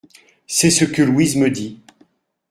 C’est ce que Louise me dit.